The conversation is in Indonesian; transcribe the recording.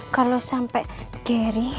kalau sampai gary